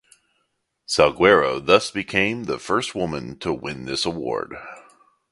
Salguero thus became the first woman to win this award.